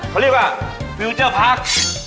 เขาเรียกว่าฟิลเจอร์พาร์ค